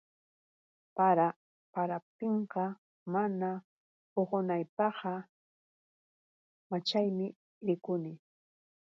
Para paraptinqa, mana uqunaypaqqa, maćhayman rikuni.